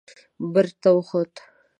برج ته وخوت.